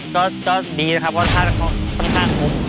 ก็ดีนะครับก็ท่านคงนิดหน้าคุ้ม